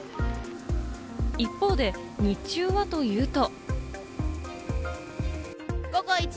一方で、日中はというと。